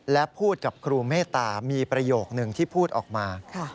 และพูดกับครูเมตตามีประโยคนึงที่พูดออกมา